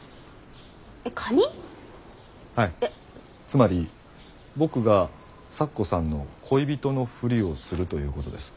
つまり僕が咲子さんの恋人のふりをするということです。